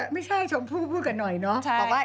ไม่ใช่ชมพู่พูดกันหน่อยเนาะ